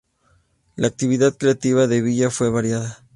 La actividad creativa de Vila fue variada.